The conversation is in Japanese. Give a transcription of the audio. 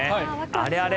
あれあれ？